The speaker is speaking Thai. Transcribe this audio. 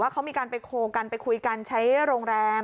เขามีการไปโคลกันไปคุยกันใช้โรงแรม